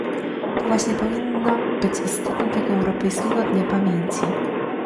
To właśnie powinno być istotą tego europejskiego dnia pamięci